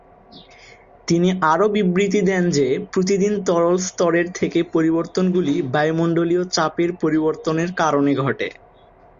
তিনি আরও বিবৃতি দেন যে প্রতিদিন তরল স্তরের থেকে পরিবর্তনগুলি বায়ুমণ্ডলীয় চাপের পরিবর্তনের কারণে ঘটে।